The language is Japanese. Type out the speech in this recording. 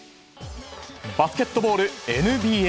バスケットボールＮＢＡ。